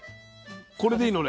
これでいいのね。